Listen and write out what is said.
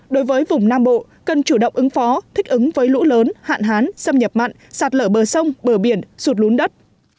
đối với vùng nam bộ cần chủ động ứng phó thích ứng với lũ lớn hạn hán xâm nhập mặn sạt lở bờ sông bờ biển sụt lún đất